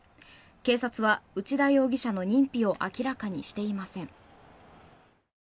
警察は内田容疑者の認否を明らかにしていません。